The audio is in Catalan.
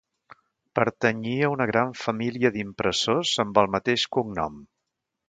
Pertanyia a una gran família d'impressors amb el mateix cognom.